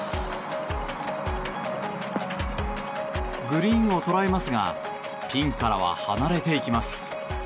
グリーンを捉えますがピンからは離れていきます。